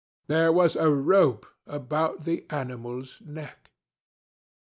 There was a rope about the animalŌĆÖs neck.